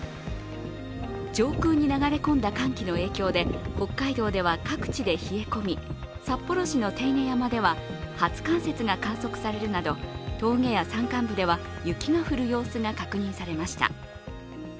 上空に流れ込んだ寒気の影響で北海道では各地で冷え込み、札幌市の手稲山では初冠雪が観測されるなど峠や山間部では雪が降る様子が確認されました